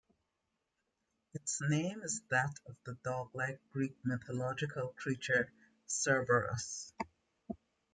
Its name is that of the dog-like Greek mythological creature Cerberus.